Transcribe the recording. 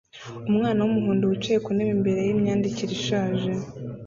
Umwana wumuhondo wicaye ku ntebe imbere yimyandikire ishaje